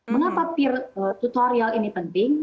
mengapa tutorial ini penting